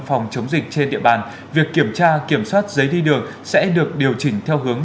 phòng chống dịch trên địa bàn việc kiểm tra kiểm soát giấy đi đường sẽ được điều chỉnh theo hướng